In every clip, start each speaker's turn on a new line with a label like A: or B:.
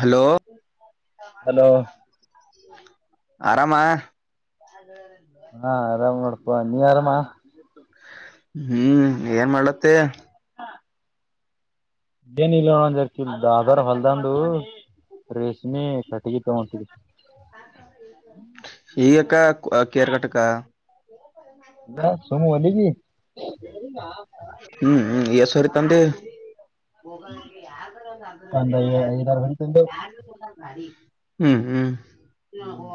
A: Hello
B: hello.
A: ಆರಾಮಾ.
B: ಹಾ ಆರಾಮ ನೋಡಪ ನೀ ಆರಾಮ.
A: ಹ್ಮ ಏನ್ ಮಾಡ್ಲತ್ತ.
B: [inaudible] ಏನ ಇಲ್ಲ ನ ಒಂದ ಜರ್ಕಲ್ ದಬಾರ್ ಹೊಲ್ದಂದು ರೇಷ್ಮೆ ಕಟ್ಟಗಿ
A: ಈಗಕ್ಕ ಕೇರ್ಕಟ್ಟಕ್ಕ
B: ಅಲ್ಲ ಸುಮ ಒಲಿ
A: ಹ್ಮ್ ಹ್ಮ್ ಎಷ್ಟು ಸಾವಿರ ತಂದೆ ಹೋಗಕ್ಕೆ ಯಾವ್ದ್ರ ಒ ಅದರು
B: ಒಂದ್ ಐ
A: ಯ
B: ಐದಾರು ಗಂಟೆ ತಂದೆವು
A: ಹ್ಮ್ ಹ್ಮ್
B: ಹ್ಮ್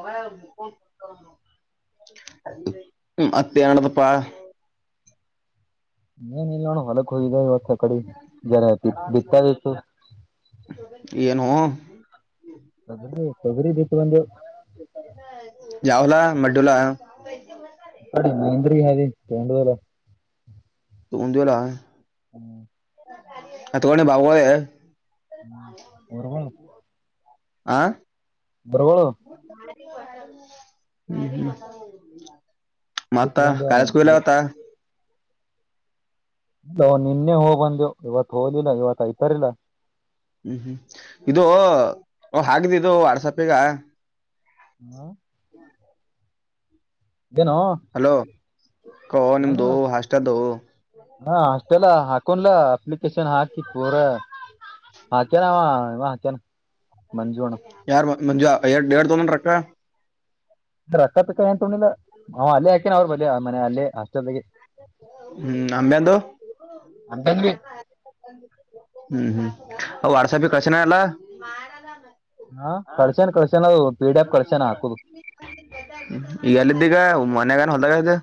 A: ಅತ್ತನದಪ್ಪಾ
B: ಏನು ಇಲ್ಲಣ ಹೊಲಕ್ ಹೋಗಿದ್ದೇವೆ ಕಡಿ ಜರತಿ ಬಿತ್ತದಿತ್ತು
A: ಹಾ
B: ತೊಗರಿ ತೊಗರಿ ಬಿಟ್ಟು ಬಂಡಿವಿ
A: ಜಹಲ ಮಡಡೂಲ [unintelligible]
B: ಅ ನೈಂದರಿ ಹಿ ವೇೊಂಡೋಲ
A: ಉಂಡಿಲ್ಲಾ
B: ಹ್ಮ್
A: ಅದುಗೊಂಡ ಬಾವಳ [unintelligible]
B: ಹ್ಮ್ ಗೊರಬಾಳ
A: ಹಾ
B: ಬರಬಾಡೋ
A: ಹ
B: ಬಿತ್
A: ಮತ್ತ ಕಾಲ
B: ಬಂದೆವು
A: ಸ್ಕಲಾವತಾ [unintelligible]
B: ನಿನ್ನೆ ಹೋಗ್ ಬಂದೆವು ಇವತ್ತು ಹೋದಿಲ್ಲ ಇವತ್ಐ್ತರಿಲ್ಲ
A: ಹ್ಮ್ ಹ್ಮ್ ಇದು ಹಾಗಿದ್ದಿದದು ವಾಟ್ಸಪ್ ಈಗ
B: ಹ್ಮ ಏನೋ
A: ಕ
B: ಏನು
A: ನಿಮ್ದು ಹಷ್ಟದು
B: ಹಾ ಆಷ್ಟೆಲ್ಲ ಹಾಕೊಂಡ್ಲಾ ಅಪ್ಲಿಕೇಶನ್ ಹಾಕಿ ಪೂರ ಹಾಕನ ಹಕನ
A: ಯಾರು ಮಂಜು ಯಟ್ ತೋಗೊಂಡಾನ ರಕ್ಕಾ
B: ರಕ್ಕ ತಕ್ಕ ಏನ್ ತಿಲ್ಲ ನ್ ಅಲ್ಲೇ ಹಾಕೇನ ಅವ್ರ ಬಿಲಿ ಮನೆ ಅಲ್ಲೇ ಹಸ್ಟೆಲ್ಗೆ
A: ಹ್ಮ್ ಅಂಬ್ಯಂದು ಹ್ಮ್ ಹ್ಮ್ ವಾಟ್ಸಾಪ್ ಕಳಸಿನವೆಲ್ಲ
B: ಹಾ ಕಳ್ಶನ್ ಕಳ್ಸನ್ ಪಿ ಡಿ ಆಫ್ ಕಳಸನ್
A: ಈಗ ಎಲ್ಲಿದ್ದೀಗ ಮನ್ಯಾಗಾನ ಹೊಲ್ದಾಗ ಅದಿಯ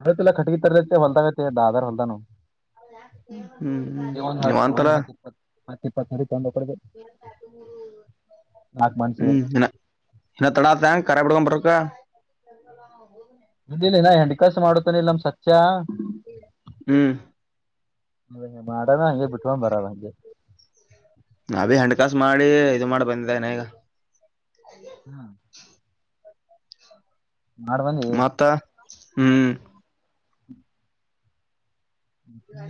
B: ಅ ಖಟಗಿ ತರದತೆ ಹಲದಾಗತ್ತ ದಾದಾರ ಹಲ್ದಾನ
A: ಹ್ಮ್ ಹ್ಮ್
B: ಒನ್ ಹ
A: ನೀವ್
B: ಒನ್
A: ಅಂತಲ್ಲ
B: ಹ [unintelligible] ನಾಲ್ಕು ಮಂದಿ ಸೇರಿ
A: ಹ್ಮ್ ತಡಾತ ಕರ ಬಿಡುಕೊಂಡ ಬರ ಹಾ
B: ಇದ ಇಲ್ಲ ನಾ ಹೆಂಡ ಕಾಸು ಮಾಡತನ ಇಲ್ಲ ನಮ್ ಸತ್ಯ
A: ಹ್ಮ್
B: ಅ ಮಾಡದ ಹಂಗೆ ಬಿಟ್ಕೊಂಡ ಬರಲ್ಲ ಹಂಗೆ
A: ನೀ ಹಣ ಕಾಸ ಮಾಡಿ ಇದು ಮಾಡ ಬಂದಿದ್ದನ ಈಗ
B: ಹ್ಮ್ ಮಾಡ್ಬಂದಿ
A: ಮತ್ ಹ್ಮ್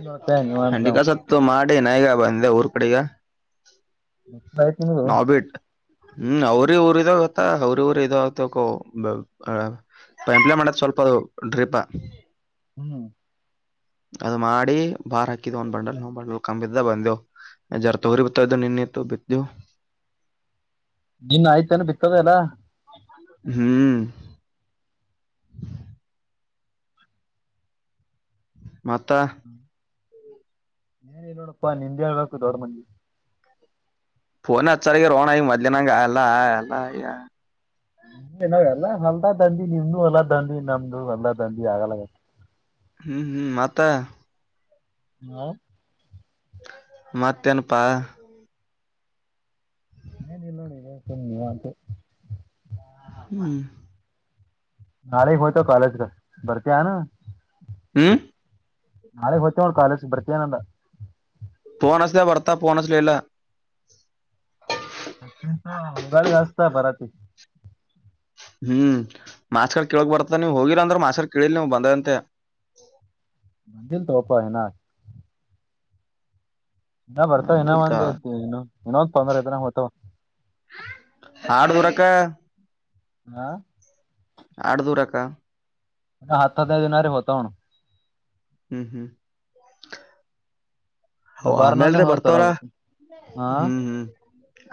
B: ನೋಡಪ್ಪ ನೀವ್ ಅಂತ
A: ಹೆಂಡಿಕಸತ್ತು ಮಾಡಿ ನ ಈಗ ಬಂದೆ ಊರ್ ಕಡೆಗೆ
B: ಮ ಆಯ್ತಿಂಗ [unintelligible]
A: ಹ್ಮ್ ಅವ್ರಿ ಊರ ಇದಾವ ಗತ್ತ ಅವ್ರಿ ಊರ ಇದತ ಪೈಂಪ್ಲೈ ಮಾಡತ್ ಸ್ವಲ್ಪ ಅ ಒನ್ ಟ್ರಿಪ್
B: ಹ್ಮ್
A: ಅದ ಮಾಡಿ ಬಾರ್ ಹಾಕಿದ್ ಒಂದ್ ಬಂಡಲ್ ನೋ ಬಂಡಲ್ ಕಂಬಿದ್ದ ಬಂದೆವು ಜರ ತೊಗರಿ ಬತ್ತವ್ ನಿನ್ನೆ ಬಿತ
B: ನಿನ್ನೆ ಆಯ್ತನ ಬಿತ್ತದೆ ಅಲ್ಲ
A: ಹ್ಮ್ ಮತ್ತ
B: ನೀನ್ ನೋಡಪ್ಪಾ ನಿಂದ ಹೇಳ್ಬೇಕಕು ದೊಡ್ಡ ಮಂದಿ
A: ಫೋನ್ ಅಚ್ಚಲಾಗ್ಯಾರೋ ಮದಲ ನಂಗ ಅಲ್ಲ ಅಲ್ಲ
B: ಏನಾಗ ಎಲ್ಲ ಹೊಲ್ದ ದಂದಿ ನಿಮ್ದ ಹೊಲ್ಲ ದಂದಿ ನಮ್ದು ಹೊಲ್ದ ದಂದಿ ಆಗಲ್ಲತ್ತ
A: ಹ್ಮ್ ಹ್ಮ್ ಮತ್
B: ಹಾ
A: ಮತೆನಪ್ಪ
B: ಮನ್ ಇಲ್ಲೋಡಿ ಮಾತು
A: ಒನ್
B: ನಾಳೆ ಹಯ್ತ ಕಾಲಜ ಬರ್ತ ಆಾನ
A: ಹ್ಮ್
B: ನಾಳೆ ಹ್ತ ಹು ಕಾಲೇಜ್ ಬರ್ತ ನಂದ
A: ಫೋನಸ್ ಬರ್ತ ಪೋನಸ್ ಲಲ್ಲ
B: ಬೆಳಿಗೆ ಹಸ್ತಾ ಬರಾತಿ
A: ಹ್ಮ್ ಮಾಸ್ಕರ್ ಕೇಳಳಕ್ ಬರ್ತ ನೀವ್ ಹೋಗಿರ ಅಂದ್ರ ಮಾಸ್ಕಾರ್ ಕೇಳಿಲ್ ನೀವ್ ಬಂದ ಅಂತೆ
B: ಬಂದ ತ ಒಪಯ ನ ಇನ್ನ ಬರ್ತಾವ ಇನ್ನ
A: ಬಂದಿಲ್ತ
B: ಒಂದ್ ಇತಿ ಇ ಇನೋ್ೊಂದ್ರ ಐತ ನ ಹೊತವ
A: ಹಾಡು ದರಕ್ಕ
B: ಹಾ
A: ಆಡ್್ದೂರಕ್ಕ
B: ಹತ್ತದಿನಾರ ಹೊತ ಹು
A: ಹ್ಮ್ ಹ್ಮ್ ಹ
B: ಬಾರ್ನನೇ
A: ಆಮೇಲ್ರ
B: ಹೋಗ್ತಾರ
A: ಬರ್ತಾರ
B: ಅವು ಹಾ
A: ಹ್ಮ್ ಹ್ಮ್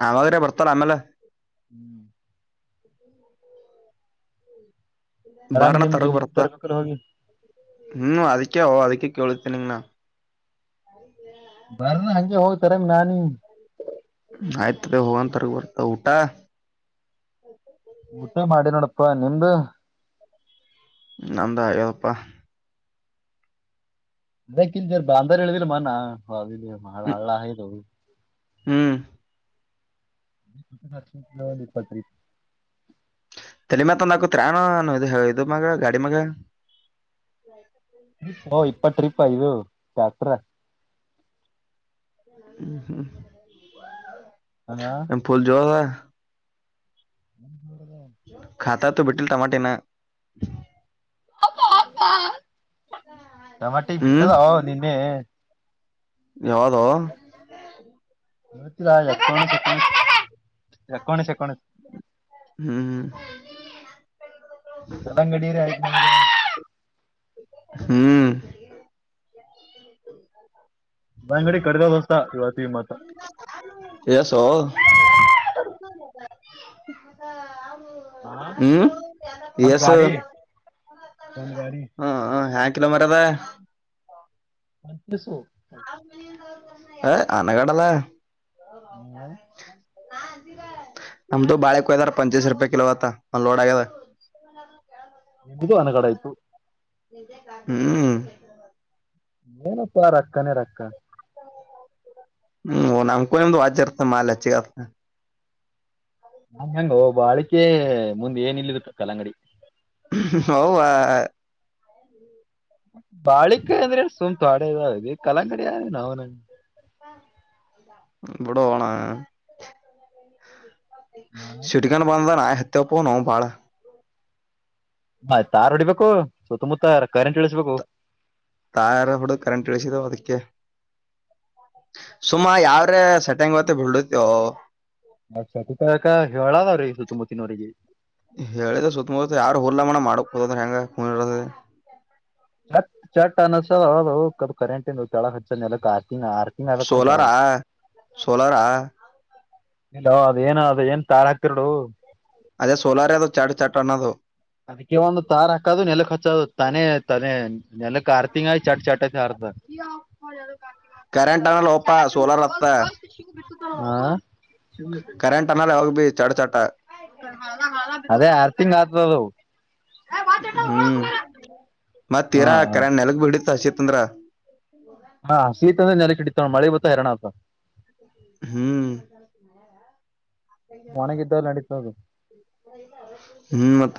A: ಆದ್ರೆ ಬರ್ತಾರ ಆಮೇಲೆ
B: ಹ್ಮ್ ಆರಾಮ್
A: ಬಾರಣ
B: ನಿಮ್ದು
A: ತಡಗು
B: ನಿಮ್
A: ಬರ್ತ್ತ
B: ತರ್ಬೇಕಲ್ಲ ಹೋಗಿ
A: ಹ್ಮ್ ಅದಕ್ಕೆ ಅದಕ್ಕೆ ಕೇಳತೀನಂಗಣ
B: ಬರ ಹಗೆ ಹೋಗ್ತಾರ ನಾನಿ
A: ಆಯ್ತದೆ ಹೋಗಂತರಗ ಬರ್ತ ಊಟ
B: ಊಟ ಮಾಡಿ ನೋಡಪ್ಪಾ ನಿಮ್ದ
A: ಹ್ಮ ಅಂದಾ ಯದಪ್ಪಾ
B: ಅದಕ್ಕ ಇ ಬಾಂದಾರ್ ಹೇಳದಿಲ್ಲ ಮಾನ ಬಾಳ
A: ಹ್ಮ್
B: ಹಳ ಹ
A: ಹ್ಮ್
B: ಲಕ್ಷ್ಮಲ್ಲಿ ಪತ್ರಿ
A: ತಲೆ ಮತ್ತ ನಾಕು ತತ್ರಾಣ ಇ ಇದು ಮಾಗ ಗಾಡಿ ಮಾಗ
B: ಿಪ್ ಓ ಇಪ್ಪತ್ ್ರಿಪ್ ಇದು ಶಾತ್ರ
A: ಹ್ಮ ಹ್ಮ್
B: ಹಾ
A: ಎಫೂಲ್ ಜವಾಸ
B: ಹ್ಮ
A: ಾತಾ ತ ಬಿಟಲ್ ಟಮಾಟೆ ನ
B: ಟಮಟೆಗೆ ಬಿಟ್ಟದ ನಿನ್ನೆ
A: ಯಾವ್ದ
B: ನಡ್ರಕೊೋ ಎಕೋಣಶ ಎಕೋಣ
A: ಹ್ಮ್ ಹ್ಮ್
B: ಎಲ್ಲಂಗಡಿಯರಿ ಆ
A: ಹ್ಮ್
B: ಅಂಗಡಿ ಕಡ್ಗ ಬಸ್ತಾ ಯವತಿ ಮಾತ್ತ
A: ಎಸೋ
B: ಹ
A: ಹ್ಮ್
B: ಒಂದ್
A: ಎಸ
B: ಗಾಡಿ ಒಂದ್ ಗಾಡಿ
A: ಹ್ಮ ಹ ಹ್ಯಾ ಕಲೋ ಮಾರ ಅದ
B: ಪಚ ಸು
A: ಏ ಆನೆಗಾಡಲ್ಲಾ
B: ಹ್ಮ್
A: ಹಮದು ಬಳ ಹತಾರ ಪಂಚೀಸ ರೂಪೆ ಕಲೋತ ಒ ಲೋಡ ಆಗಾವ [unintelligible]
B: ನಿದು ಅನಗಡ ಆಯ್ತು
A: ಹ್ಮ್
B: ಮನು ಪ ರಕ್ಕನ ರಕ್ಕ
A: ಹ್ಮ್ ನಮ್ಕ್ದು ವ್ರ್ತ ಮಾಾಲ ಚಿಗ
B: ನಂ ಹೆಂಗ ಒ ಬ ಅಳಿಕೆ ಮುಂದ್ ಏನ ಇಲ್ಲಿರುತ್ತ ಕಲಂಗಡಿ
A: ಹೌ
B: ಬಾಿಕೆ ಅಂದ್ರೆ ಸುಮ್ತು ಆಡಾವ ಕಲಕಡಿ ನಾವ ನಂಗ
A: ಇಬಡ ಹಣ ಸುರಿಕೊಂಡ ಬಂದಾನ ಹತ್ತಪ್ಪ ನ ಬಾಳ
B: ಆಯ್ತ್ ತಾರ್ ಹೊಡಿಬೇಕು ಸುತ್ತಮುತ್ತ ಕರೆಂಟ್ ಇಳಸ್ಬೇಕು
A: ತಾರ ಹುಡು ಕರೆಂಟ್ ಇಳಿಸಿದವ ಅದಕ್ಕೆ ಸುಮ ಯಾವ್ರೆ ಸೆಟೆಂಗ್ ಹೊತ್ತ ಬಿಡತಿ
B: ಅ ಹೇಳಾದ ಅವ ರೀ ಸಲ್ತುಮತ್ತಿನವರ
A: ಹೇಳಿದ ಸುತ್ತಮುತ್ತ ಯಾರು ಹುಲ್ಲ ಮನ ಮಾಡು ಕದ ಟಾಂಗಾ
B: ಕನ್ಸದು ಕರೆಂಟ್ ಇ ಕೆಳ ಹಚ್ಚ ನೆಲಕ್ ಆ ಿನ ಆರ್ಕಿನಲ್ಲ ಕಣ ಕೆಳ
A: ಸೋಲಾರಾ ಸೋಲಾರಾ
B: ಇಲ್ಲ ಅದ ಏನ ಅದ ಏನ್ ತಾಳ ಹಾಕಡು
A: ಅದೇ ಸೋಲಾರದು ಚಾಟ ಚಾಟಾನದು
B: ಅದಕ್ಕೆ ಒಂದು ತಾರ್ ಹಾಕದು ನೆಲಕ್ ಹಚ್ಚೋದು ತಾನೆ ತಾನ ನೆಲಕ್ ಆರ್ತಿಂಗಾಯಿ ಚಟ್ ಚಟ್ ಚಾರ
A: ಕರೆಂಟ್ ಅನ ಲೋಪ ಸೋಲಾರ ಹತ್ತ
B: ಹಾ
A: ಕರೆಂಟ್ ಅನ್ನಾಲ ಅವಾಗ ಬಿ ಚಟ ಚಟ
B: ಅದೇ ಆರ್ ತಿಂಗ್ ಆದತ ಅದು
A: ಹ್ಮ್
B: ಹಾ
A: ಮತ್ತೀರಾ
B: ಹಾ
A: ಕರಾಣ ನೆಲಗ್ ಬಿಡಿತ್ತ ಹಸೀತ್ಂದ್ರ
B: ಹಾ ಶೀತ ಅಂದ್ರೆ ನೆಲೆ ಕಿಡಿತವ ಮಳೆ ಬತ್ತಾ ಹರರಣ ಆತ
A: ಹ್ಮ್
B: ಒಣಗಿದ್ದಾಗ ನಡೀತದ
A: ಹ್ಮ್ ಮತ್ತ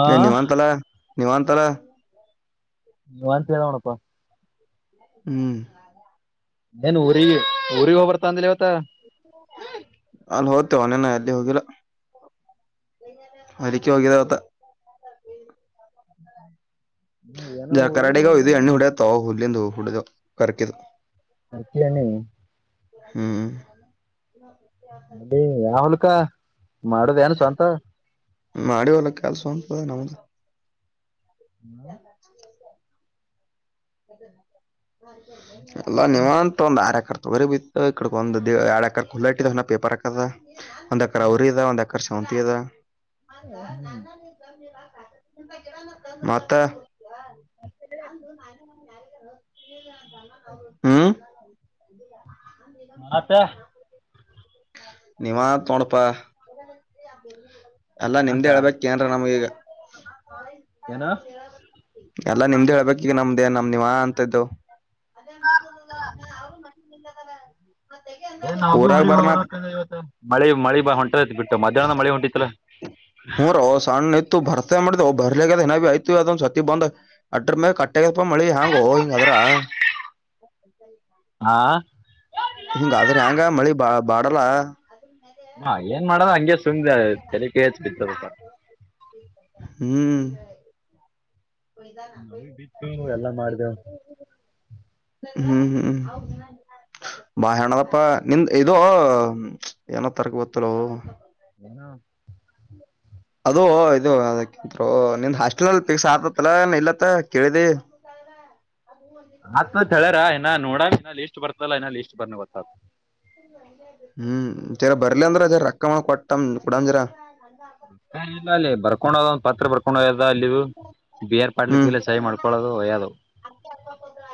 B: ಹಾ
A: ಏ ನಿವಂತಲ ನಿವಂತಲ
B: ವಂತದ ಅವಣಪ್ಪಾ
A: ಹ್ಮ್
B: ಏನ್ ಊರಿಗೆ ಊರಿಗೆ ಹೋಗ್ ಬರ್ತಾ ಅಂದಿಲ್ಲ ಇವತ್ತ
A: ಅಲ್ಲಿ ಹೋಗದ್ತೇವನೇನ ಎಲ್ಲಿ ಹೋಗಿಲ್ಲ ಅಕ್ಕೆ ಹೋಗಿದತ್ತ
B: ಹ್ಮ್ ಏನೋ
A: ಜ
B: ಊರಿಗ ಇದು
A: ಕಾಡೆಗದು ಅಣ್ಣ ಹುಡ ತ ಹುಲ್ಲಿದು ಹುಡೆದುಕದು
B: ಅತಣ
A: ಹ್ಮ್
B: ಅದೇ ಯಾವ ಹುಲ್ಕ ಮಾಡದ ಏನು ಸ್ವಂತ
A: ಮಾಡಿವಲ್ಲ ಕೆಲ್ಸ ಉಂದ ನಮ್ದ [unintelligible] ಎಲ್ಲ ನಿವಂತ ಒಂದು ಆರ್ಯಕರ್ತ ಅವ್ರ ಬಿ ಇಡ ಒಂದ ಎರಡ್ಕರ್ ಲ್ಲ ಇಟ್ಟ ಪೇಪರ್ ಹಾಕದ ಒಂದ್ಕ ಅವ್ರ ಇದ ಒಂದ್ ಎಕರ್ ಸಂತದ ಮತ್ತ [unintelligible] ನ ಚ
B: ಆತ
A: ನಿಮ್ಮ ತೊಣಪ್ಪ ಅಲ್ಲಾ
B: ಅಂತ
A: ನಿಮ್ದೇ ಹೇಳ್ಬೇಕ ಏನ್ರ ನಮ್ಗೀಗ
B: ಏನು
A: ಎಲ್ಲ ನಿಮ್ದು ಹೇಳ್ಬೇಕ ಈಗ ನಮ್ದು ನಮ ನಿವ ಅಂತ್ದು
B: ಏನ್ ನಾವ್ ಬಿ
A: ಪೂರಾಗ
B: ಊರಿಗೆ
A: ಬರನಾ
B: ಹೋಗ್ಬೇಕಂದ್ರೆ ಇವತ್ತ ಮಳಿ ಮಳಿ ಬಾ ಹೊಂಟೈತಿ ಬಿಟ್ಟು ಮಧ್ಯಾಹ್ನ ಮಳಿ
A: [unintelligible]
B: ಹೊಂಟಿತ್ತಲ್ಲ
A: ಮಾಡ್ದ ಬರ್ಲಿದ ನನಾ ಆಯ್ತು ಅದೊ್ ಸತ್ತತಿ ಬಂದ್ ಅಡ್ರ ಮೇಲೆ ಕಟ್ಟ ಆಗಪ್ಪ ಮಳಿ ಹಂಗೋ ಹಿಂಗದ್ರ
B: ಹಾ
A: ಹಿಂಗಾದ್ರ ಹೆಯಾಂಗ ಮಳಿ ಬಾ ಬಾಡಲ್ಲ
B: ಹಾ ಏನ್ ಮಾಡದು ಹಂಗೆ ಸುಮ್ದ ತೆಲಕ್ಕೆಚ್ ಬಿತದಸ
A: ಹ್ಮ್ [inaudible]
B: ನಾವೇ ಬಿತ್ತು ಎಲ್ಲಾ ಮಾಡ್ದೇವ್
A: ಹ್ಮ್ ಬಾಹಣದಪ್ಪ ನಿಂದ ಇ ಏನ ತರಕ ಗೊತ್ತಲವು
B: ಏನು
A: ಅದು ಇದು ಅದಕ್ಕಂತ ನಿಂದ್ ಹಾಸ್ಟೆಲ್ ಅಲ್ಲಿ ಕ್ಸ್ ಆತತ್ತಲ ಇಲ್ಲತ್ತ ಕೇಳಿದಿ
B: [inaudible] ಮತ್ತ್ ಹೇಳ್ಯರ ಇನ ನೋಡ ಇನ್ನ ಲಿಸ್ಟ್ ಬರ್ತಲ್ಲ ಇನ್ನ ಲಿಸಸ್ ಬರ್ ಗತ್ತತ್
A: ಹ್ಮ್ ಜರ ಬರ್ಲಿ ಅಂದ್ರರ ರೊಕ್ಕ ಕೊಟ್ಟಮ ಕುಡಜರ
B: ಇಲ್ಲ ಅಲ್ಲಿ ಬರ್ಕೊಂಡದಂದ್ ಪತ್ರ ಬರ್ಕೊಂಡ ಹಕೊಂಡ ಅಲ್ಲಿ ಬಿ ಆರ್
A: ಹ್ಮ್
B: ಪಾಡ್ಲಿಕ್ಕೆಲ್ಲ ಸಹ ಮಾಡ್ಕೊಳ್ಳೋದು ಒಯ್ಯದವು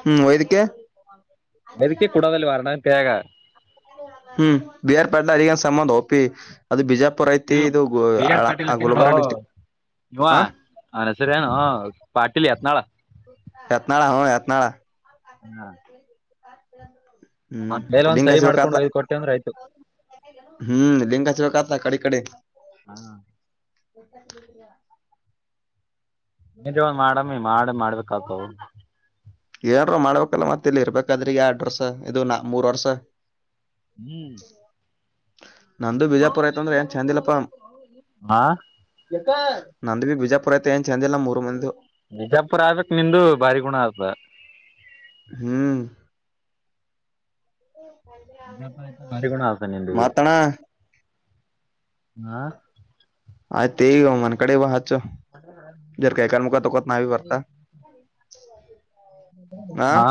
A: ಹ್ಮ್ [inaudible]
B: ಬದಕೇ ಕುಡಾದಲ್ಲಿ ವರಣ ಕೇಗ
A: ಹ್ಮ್ ಬಿಹಾರ್ ಪಾಟ್ಲ ಅಗನ್ ಸಂಬಂ ಹಪಿ ಅದು ಬಿಜಾ ಪುರಐತಿ ಇದು ಅ ಗುಲಬುರ ಡಿಸ್ಟ್ರಿಕ್ಟ್
B: ನೀವ ಅನಸರ ಏನು ಪಾಟೀಲಿ ಹತ್ನಾಳ
A: ಯತ್ನಾಳ ಹ ಯತ್ನಾಳ
B: ಹ್ಮ
A: ಹ್ಮ್ ಲಿಂಗಂಗ
B: ಸಹಿ
A: ಶಕ
B: ಮಾಡ್ಕೊಂಡು ಒಯ್ದು ಕೊಟ್ಟೆ ಅಂದ್ರೆ ಆಯ್ತು
A: ಹ್ಮ್ ಲಿಂಗ ಚಳಕತ ಕಡಿ ಕಡೆ
B: ಹಾ
A: ಎಂತಯಾ
B: ನಿಜೇ ಒನ್ ಮಾಡಮ್ಮಿ ಮಾಡ ಮಾಡ್ಬೇಕಗ್ತವ
A: ಏನ ಮಾಡ್ಬೇಕಲ್ಲ ಮತ್ತ ಇಲ್ಲಿ ಇರ್ಬೇಕಾದ್ರಿ ಎರಡ್ ವರ್ಷ ಇದು ನಾ ಮೂರ್ ವರ್ಷ
B: ಹ್ಮ್
A: ನಂದು ಬಿಜಾಪುರ ಆಯ್ತ ಅಂದ್ರ ಏನ್
B: ಹಾ
A: ನಂದ ಬಿ ಬಿಜಾಪುರ ಐತೆ ಏನ್ ಚೆಂದಿಲ್ಲ ಮೂರು ಮಂದ
B: ಬಿಜಾಪುರ ಆಗ್ಬೇಕು ನಿಂದು ಭಾರಿ ಗುಣ ಆತ
A: ಹ್ಮ್
B: [unintelligible]
A: ಮಾತಣ
B: ಹ
A: ಆಯ್ತ ಈಗ ಮನ್ ಕಡೆ ಬತ್ ಜ ಕೈಕಲ್ ಮುಕ ತುಕತ ನಾವ ವರ್ತಾ
B: ಹಾ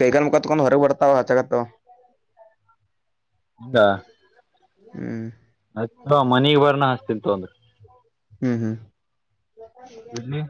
A: ಕೈಕ ಮುಖತ್ ಕೊಂದು ಹೊರ ಬರ್ತಾವ ಹಚಾಗತ್ತು
B: ಹಿಂಗ
A: ಹ್ಮ್
B: ಹಾ ಮನಗ್ ಬರ್ನ ಹಸ್ತಿನ್ಂತ ಅಂದ್ರ
A: ಹ್ಮ್ ಹ್ಮ್
B: ಇಲ್ಲಿ